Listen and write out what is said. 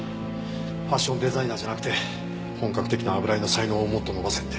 ファッションデザイナーじゃなくて本格的な油絵の才能をもっと伸ばせって。